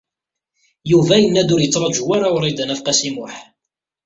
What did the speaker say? Yuba yenna-d ur yettṛaǧu ara Wrida n At Qasi Muḥ